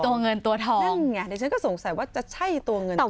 เดี๋ยวฉันก็สงสัยว่าจะใช่ตัวเงินตัวทอง